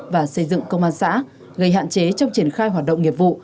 và xây dựng công an xã gây hạn chế trong triển khai hoạt động nghiệp vụ